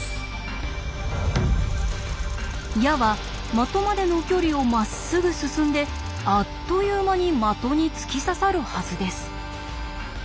矢は的までの距離をまっすぐ進んであっという間に的に突き刺さるはずです。